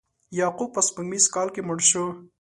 یعقوب په سپوږمیز کال کې مړ شو.